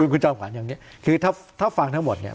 คุณชาวขวานอย่างเงี้ยคือถ้าถ้าฟังทั้งหมดเนี้ย